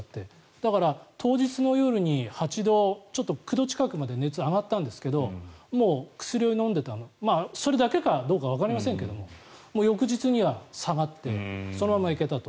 だから当日の夜に８度ちょっと９度近くまで熱が上がったんですがもう薬を飲んでてそれだけかわかりませんが翌日には下がってそのまま行けたと。